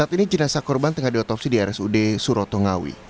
saat ini jenazah korban tengah diotopsi di rsud suroto ngawi